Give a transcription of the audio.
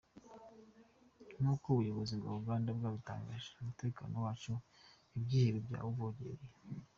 Nk’uko ubuyobozi bwa Uganda bwabitangaje, umutekano wacu ibyihebe byawuvogeye”.